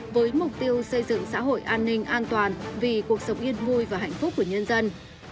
với mục tiêu xây dựng xã hội an ninh an toàn vì cuộc sống yên vui và hạnh phúc của nhân dân